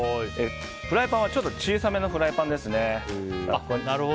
フライパンは小さめのフライパンですね。